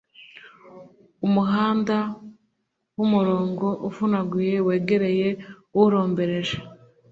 Umuhanda w’umurongo uvunaguye wegereye urombereje